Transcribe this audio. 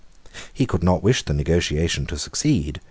He could not wish the negotiation to succeed.